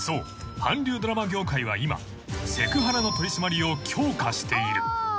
韓流ドラマ業界は今セクハラの取り締まりを強化している］